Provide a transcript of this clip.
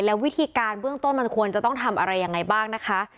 แล้ววิธีการเบื้องต้นมันควรจะต้องทำอะไรยังไงบ้างนะคะ